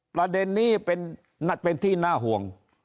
ประเด็นนี้เป็นนัดเป็นที่น่าห่วง